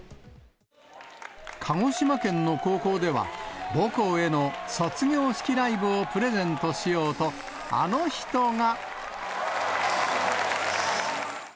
鹿児島県の高校では、母校への卒業式ライブをプレゼントしようと、あの人が。